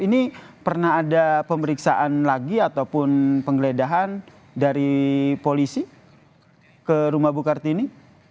ini pernah ada pemeriksaan lagi ataupun penggeledahan dari polisi ke rumah bu kartini